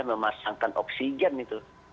memasangkan oksigen itu